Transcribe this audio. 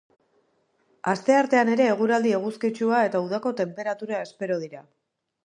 Asteartean ere eguraldi eguzkitsua eta udako tenperatura espero dira.